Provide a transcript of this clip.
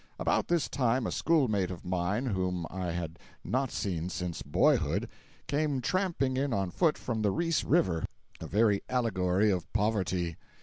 About this time a schoolmate of mine whom I had not seen since boyhood, came tramping in on foot from Reese River, a very allegory of Poverty.